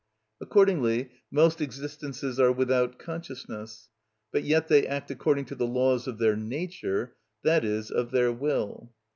Accordingly most existences are without consciousness; but yet they act according to the laws of their nature, i.e., of their will.